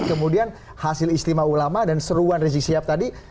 kemudian hasil istimewa ulama dan seruan rezeki siap tadi